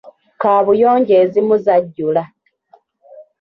Kaabuyonjo ezimu zajjula.